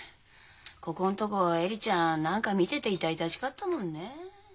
ここんとこ恵里ちゃん何か見てて痛々しかったもんね。